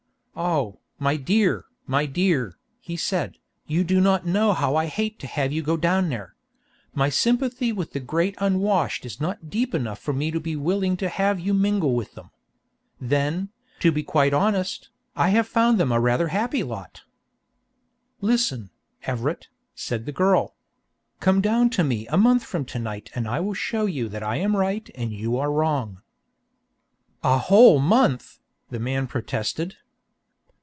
"Oh, my dear, my dear," he said, "you do not know how I hate to have you go down there. My sympathy with the great unwashed is not deep enough for me to be willing to have you mingle with them. Then, to be quite honest, I have found them rather a happy lot." "Listen, Everett," said the girl. "Come down to me a month from to night and I will show you that I am right and you are wrong." "A whole month!" the man protested.